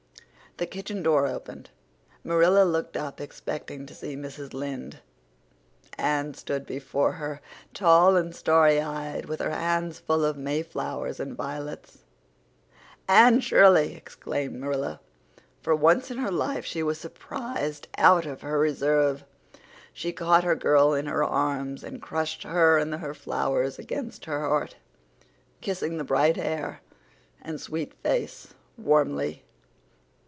The kitchen door opened. Marilla looked up expecting to see Mrs. Lynde. Anne stood before her, tall and starry eyed, with her hands full of Mayflowers and violets. "Anne Shirley!" exclaimed Marilla. For once in her life she was surprised out of her reserve; she caught her girl in her arms and crushed her and her flowers against her heart, kissing the bright hair and sweet face warmly.